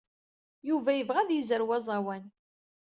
Yuba yebɣa ad yezrew aẓawan.